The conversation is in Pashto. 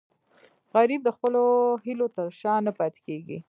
غریب د خپلو هیلو تر شا نه پاتې کېږي